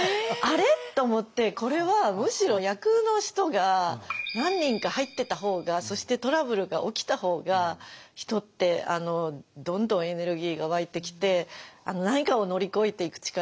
「あれ？」と思ってこれはむしろ厄の人が何人か入ってた方がそしてトラブルが起きた方が人ってどんどんエネルギーが湧いてきて何かを乗り越えていく